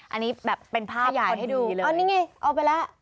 อันนี้แบบเป็นภาพคนดีเลยขยายให้ดูเอานี่ไงเอาไปแล้ว